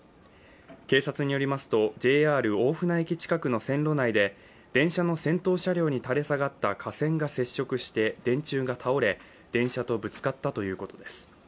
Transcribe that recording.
警察によりますと、ＪＲ大船駅近くの線路内で電車の先頭車両に垂れ下がった架線が接触して、電柱が倒れ、電車とぶつかったということです。